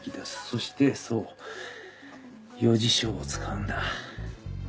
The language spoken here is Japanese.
そしてそう余事象を使うんだ。